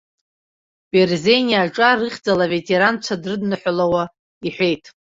Берзениа аҿар рыхьӡала аветеранцәа дрыдныҳәалауа иҳәеит.